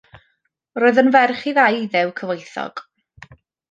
Roedd yn ferch i ddau Iddew cyfoethog.